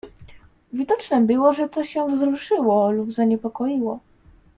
"Widocznem było, że coś ją wzruszyło, lub zaniepokoiło."